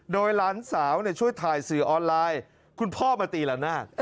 โดยหลานสาวช่วยถ่ายสื่อออนไลน์คุณพ่อมาตีละนาด